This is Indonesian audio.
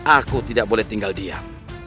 aku tidak boleh tinggal diam